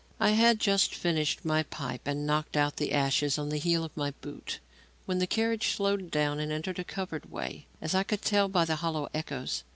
I had just finished my pipe and knocked out the ashes on the heel of my boot, when the carriage slowed down and entered a covered way as I could tell by the hollow echoes.